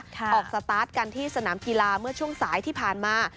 ออกสตาร์ทกันที่สนามกีฬาเมื่อช่วงสายที่ผ่านมา